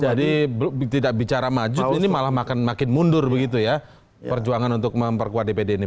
jadi tidak bicara majut ini malah makin mundur begitu ya perjuangan untuk memperkuat dpd ini